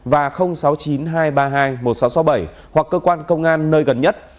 và sáu mươi chín hai trăm ba mươi hai một nghìn sáu trăm sáu mươi bảy hoặc cơ quan công an nơi gần nhất